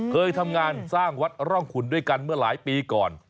เคยทำงานสร้างวัดร่องขุนด้วยกันเมื่อหลายปีก่อน